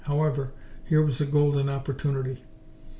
However, here was a golden opportunity.